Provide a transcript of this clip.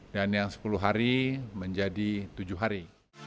dan yang sepuluh hari menjadi tujuh hari